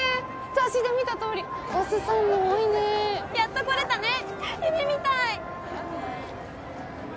雑誌で見たとおりコスさんも多いねやっと夢みたい！